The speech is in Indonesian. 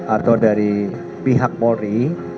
atau dari pihak polri